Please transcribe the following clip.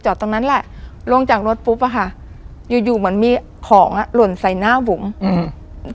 ตรงนั้นแหละลงจากรถปุ๊บอ่ะค่ะอยู่อยู่เหมือนมีของอ่ะหล่นใส่หน้าบุ๋มอืม